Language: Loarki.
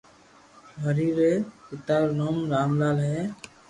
ھري ري پيتا رو نوم رام لال ھي